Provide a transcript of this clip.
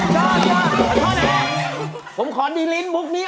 ฝากเป็นเพลินหล่อยเล่มลงไป